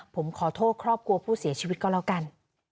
ผมขอโทษครอบครัวผู้เสียชีวิตก็แล้วกัน